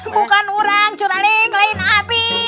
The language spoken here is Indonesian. bukan orang curaling lain api